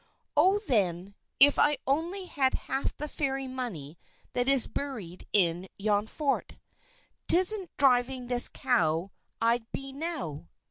"Oh, then, if only I had half the Fairy money that is buried in yon fort, 'tisn't driving this cow I'd be now!"